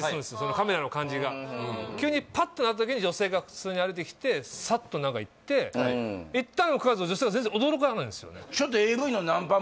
カメラの感じが急にパッとなった時に女性が普通に歩いてきてサッとなんかいっていったのにもかかわらず女性は全然驚かないんですよね